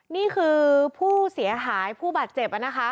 นี่คือผู้เสียหายผู้บาดเจ็บนะคะ